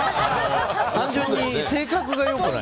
単純に性格がよくない。